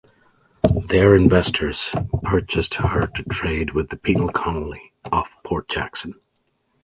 There investors purchased her to trade with the penal colony of Port Jackson.